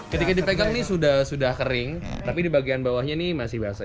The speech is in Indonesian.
ketika dipegang ini sudah kering tapi di bagian bawahnya ini masih basah